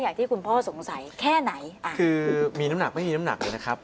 อย่างที่คุณพ่อสงสัยแค่ไหนอ่ะคือมีน้ำหนักไม่มีน้ำหนักเลยนะครับ